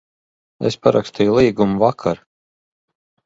Es parakstīju līgumu vakar.